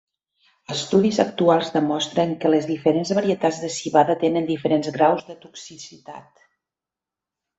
Estudis actuals demostren que les diferents varietats de civada tenen diferents graus de toxicitat.